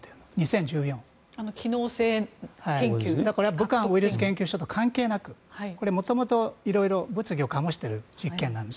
武漢ウイルス研究所と関係なく物議を醸している実験なんです。